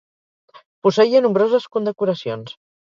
Posseïa nombroses condecoracions.